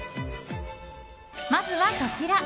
まずは、こちら。